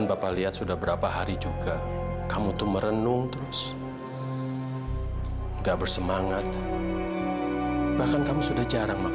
fadil sudah melakukan segala usaha pak